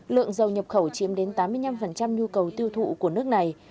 lượng dầu nhập khẩu chiếm đến tám mươi năm nhu cầu tiêu thụ của nước này